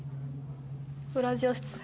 ウラジオストク。